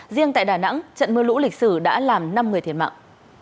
riêng tại đà nẵng trận mưa lũ lịch sử đã làm năm người thiệt mạng